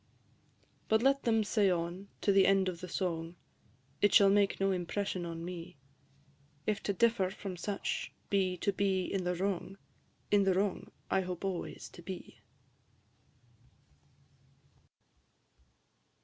But let them say on to the end of the song, It shall make no impression on me: If to differ from such be to be in the wrong, In the wrong I hope always to be.